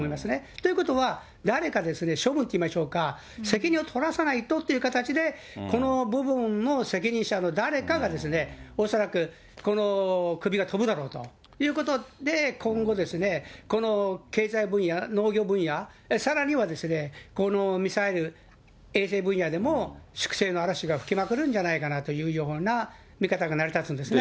ということは、誰か処分といいましょうか、責任を取らさないとという形で、この部分の責任者の誰かが恐らくこの首が飛ぶだろうということで、今後ですね、この経済分野、農業分野、さらにはこのミサイル、衛星分野でも粛清の嵐が吹きまくるんじゃないのかなというような見方が成り立つんですね。